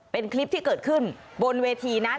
เป็นคลิปที่เกิดขึ้นบนเวทีนั้น